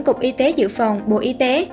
cục y tế dự phòng bộ y tế